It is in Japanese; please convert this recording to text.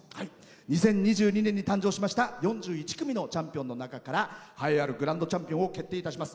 ２０２２年に誕生しました４１組のチャンピオンの中から栄えあるグランドチャンピオンを決定いたします。